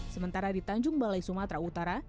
sementara di tanjung balai sumatera utara